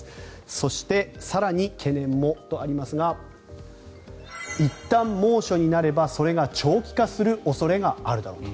そして、更に懸念もとありますがいったん猛暑になればそれが長期化する恐れがあるだろうと。